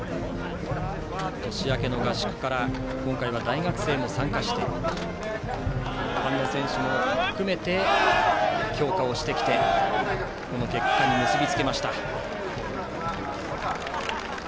年明けの合宿から今回は大学生も参加して一般の選手も含めて強化してきてこの結果に結びつけました。